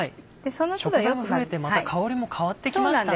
食材も増えてまた香りも変わってきましたね。